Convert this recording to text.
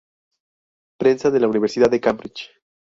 Prensa de la Universidad de Cambridge.